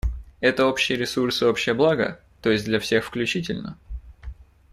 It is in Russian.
Это общий ресурс и общее благо, т.е. для всех включительно.